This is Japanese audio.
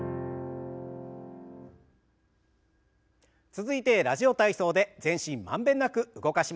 続いて「ラジオ体操」で全身満遍なく動かしましょう。